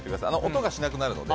音がしなくなるので。